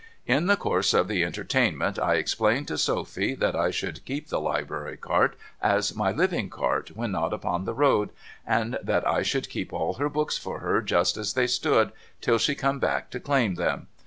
In the course of the entertainment I explained to Sophy that I should keep the Library Cart as my living cart when not upon the road, and that I should keep all her books for her just as they stood, till she come back to claim them.